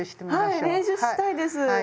はい練習したいです。